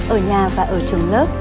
ở nhà và ở trường lớp